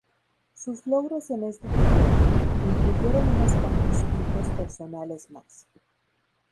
Sus logros en este periodo, incluyeron unos cuantos hitos personales más.